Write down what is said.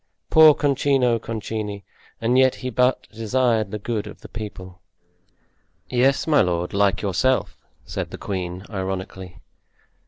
Poor Concino Concini! And yet he but desired the good of the people." "Yes, my lord, like yourself!" said the queen, ironically.